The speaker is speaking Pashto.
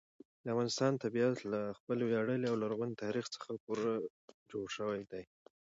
د افغانستان طبیعت له خپل ویاړلي او لرغوني تاریخ څخه پوره جوړ شوی دی.